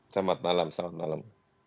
selamat malam selamat malam